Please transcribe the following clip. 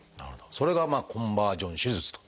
それがコンバージョン手術と。